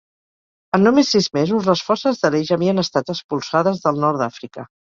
En només sis mesos, les forces de l'Eix havien estat expulsades del nord d'Àfrica.